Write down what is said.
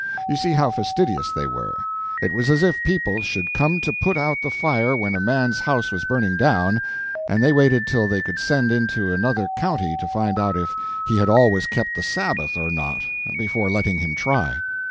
You see how fastidious they were. It was as if people should come to put out the fire when a man's house was burning down, and they waited till they could send into another country to find out if he had always kept the Sabbath or not, before letting him try.